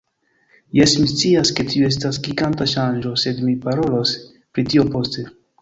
Jes, mi scias ke tiu estas giganta ŝanĝo sed mi parolos pri tio poste